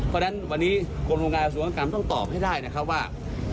เพราะฉะนั้นวันนี้กรมโรงงานสวนกรรมต้องตอบให้ได้นะครับว่า